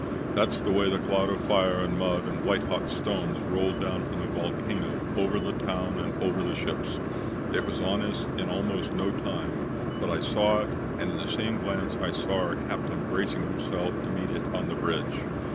That's the way the cloud of fire and mud and white hot stones rolled down from that volcano over the town and over the ships. It was on us in almost no time, but I saw it and in the same glance I saw our captain bracing himself to meet it on the bridge.